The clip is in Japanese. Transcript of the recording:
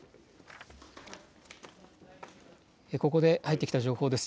ここで入ってきた情報です。